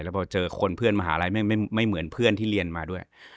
แล้วพอเจอคนเพื่อนมหาลัยไม่เหมือนเพื่อนที่เรียนมาด้วย